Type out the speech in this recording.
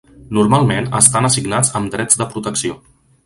Normalment estan assignats amb drets de protecció.